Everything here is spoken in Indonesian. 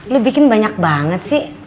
lu bikin banyak banget sih